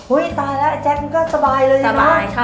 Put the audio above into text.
อุ้ยตายแล้วแจ็คมันก็สบายเลยเนอะ